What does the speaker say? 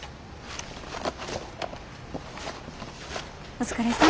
お疲れさん。